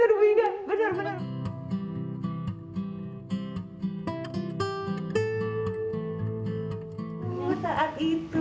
saat itu lagi sma ya pak